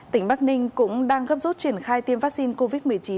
tỉnh bắc ninh cũng đang gấp rút triển khai tiêm vaccine covid một mươi chín